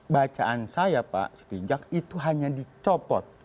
bacaan saya pak setinjak itu hanya dicopot